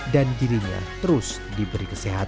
dan dirinya terus diberi kesehatan